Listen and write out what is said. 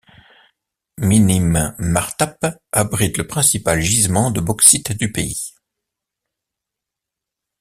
Minim-Martap abrite le principal gisement de bauxite du pays.